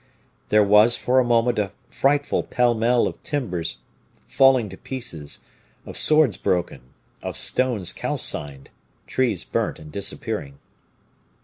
There was, for a moment, a frightful pele mele of timbers falling to pieces, of swords broken, of stones calcined, trees burnt and disappearing.